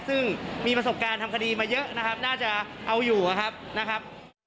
ซึ่งมีประสบการณ์ทำคดีมาเยอะนะครับน่าจะเอาอยู่นะครับนะครับ